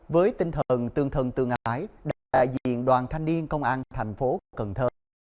với tinh thần tương thân tương ái đại diện đoàn thanh niên công an thành phố cần thơ